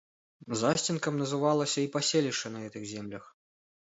Засценкам называлася і паселішча на гэтых землях.